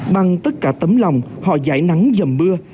bằng tất cả tấm lòng họ giải nắng dầm mưa